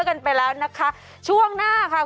คุณติเล่าเรื่องนี้ให้ฮะ